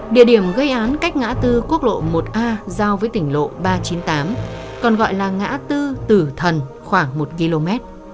địa điểm gây án cách ngã tư quốc lộ một a giao với tỉnh lộ ba trăm chín mươi tám còn gọi là ngã tư tử thần khoảng một km